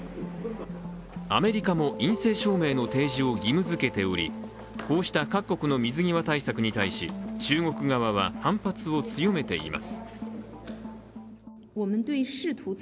アメリカも陰性証明の提示を義務づけておりこうした各国の水際対策に対し中国側は、反発を強めています。